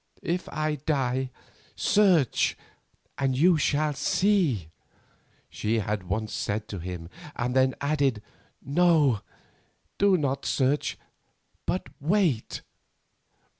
"If I die, search and you shall see," she had once said to him, and then added, "No, do not search, but wait."